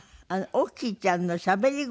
オッキーちゃんのしゃべり声。